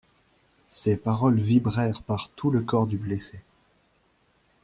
Ces paroles vibrèrent par tout le corps du blessé.